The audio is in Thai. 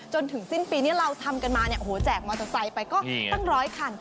จนถึงสิ้นปีนี้เราทำกันมาเนี่ยโอ้โหแจกมอเตอร์ไซค์ไปก็ตั้งร้อยคัน